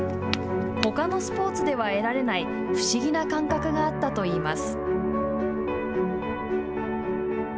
ほかのスポーツでは得られない不思議な感覚があったといいます。